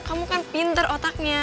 kamu kan pinter otaknya